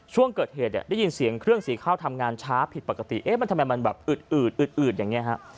ช่วงเกิดเหตุเนี่ยได้ยินเสียงเครื่องสีข้าวทำงานช้าผิดปกติเอ๊ะมันทำไมมันแบบอืดอืดอย่างนี้ฮะ